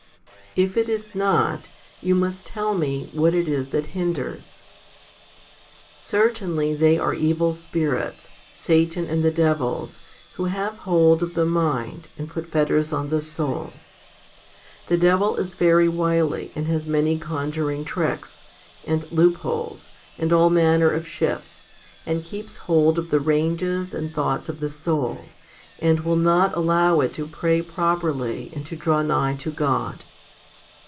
If it is not, you must tell me what it is that hinders. .Certainly they are evil spirits, Satan and the devils, who have hold of the mind, and put fetters on the soul. The devil is very wily, and has many conjuring tricks, and loopholes, and all manner of shifts, and keeps hold of the ranges and thoughts of the soul, and will not allow it to pray properly and to draw nigh to God.